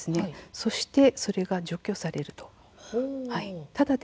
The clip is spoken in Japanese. そして、それが除去される。